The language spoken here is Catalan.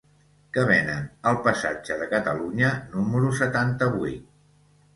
Què venen al passatge de Catalunya número setanta-vuit?